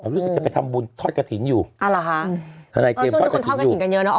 รู้สึกจะไปทำบุญทอดกระถิ่งอยู่ทนายเจมส์ก็กระถิ่งอยู่